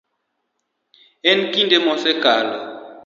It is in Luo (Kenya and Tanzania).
En kinde mosekalo.